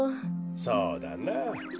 そうだなあ。